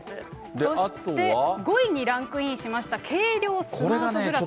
そして、５位にランクインしました軽量スマートグラス。